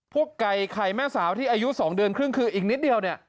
ไก่ไข่แม่สาวที่อายุ๒เดือนครึ่งคืออีกนิดเดียวเนี่ย